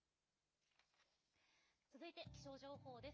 続いて気象情報です。